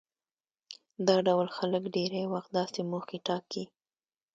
دا ډول خلک ډېری وخت داسې موخې ټاکي.